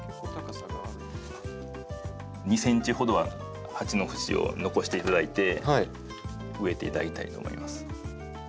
２ｃｍほどは鉢の縁を残していただいて植えていただきたいと思います。